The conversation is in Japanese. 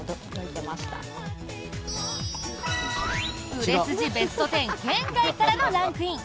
売れ筋ベスト１０圏外からのランクイン！